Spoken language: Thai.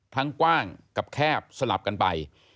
กว้างกับแคบสลับกันไป